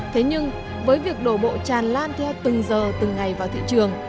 thế nhưng với việc đổ bộ tràn lan theo từng giờ từng ngày vào thị trường